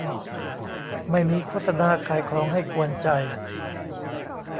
ไม่มีโฆษณาขายของให้กวนใจ